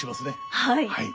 はい。